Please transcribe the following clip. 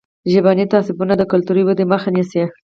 ژبني تعصبونه د کلتوري ودې مخه نیسي.